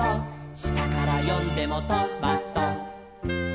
「したからよんでもト・マ・ト」